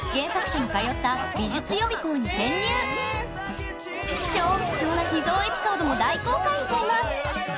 更に超貴重な秘蔵エピソードも大公開しちゃいます！